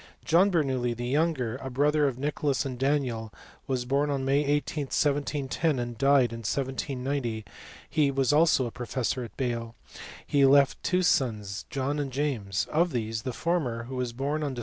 John Bernoulli, the younger, a brother of Nicholas and Daniel, was born on May 18, 1710, and died in 1790; he also was a professor at Bale. He left two sons, John and James : of these, the former, who was born on Dec.